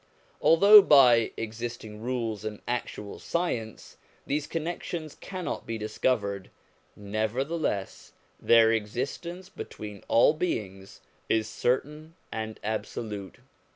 Although by exist ing rules and actual science these connections cannot be discovered, nevertheless their existence between all beings is certain and absolute.